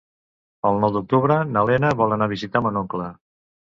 El nou d'octubre na Lena vol anar a visitar mon oncle.